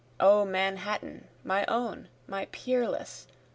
O Manhattan, my own, my peerless!